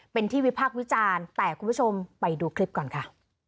เป็นที่วิพากษ์วิจารณ์แต่คุณผู้ชมไปดูคลิปก่อนค่ะ